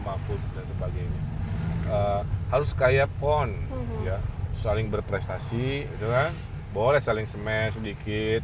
mahfud dan sebagainya harus kaya pon ya saling berprestasi itu kan boleh saling semen sedikit